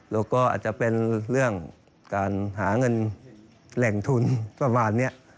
แล้วก็อาจจะเป็นเรื่องการหาเงินแหล่งทุนประมาณนี้